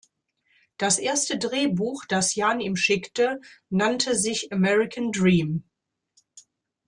Das erste Drehbuch, das Jahn ihm schickte, nannte sich „American Dream“.